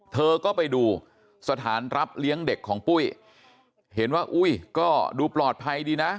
เธอก็ไปดูสถานรับเลี้ยงเด็กของปุ้ยเห็นว่าอุ้ยก็ดูปลอดภัยดีนะ